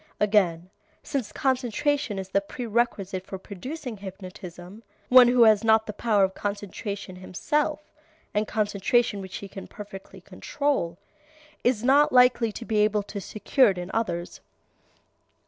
Again, since concentration is the prerequisite for producing hypnotism, one who has not the power of concentration himself, and concentration which he can perfectly control, is not likely to be able to secure it in others.